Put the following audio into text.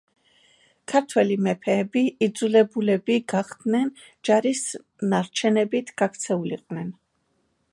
ქართველი მეფეები იძულებულები გახდნენ ჯარის ნარჩენებით გაქცეულიყვნენ.